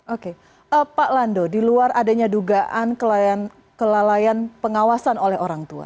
oke pak lando di luar adanya dugaan kelalaian pengawasan oleh orang tua